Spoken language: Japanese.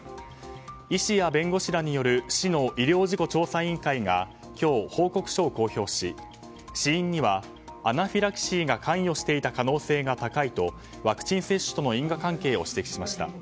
医師や弁護士らによる市の医療事故調査委員会が今日、報告書を公表し死因にはアナフィラキシーが関与していた可能性が高いとワクチン接種との因果関係を指摘しました。